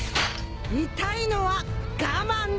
痛いのは我慢だよ！